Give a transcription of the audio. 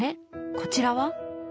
こちらは？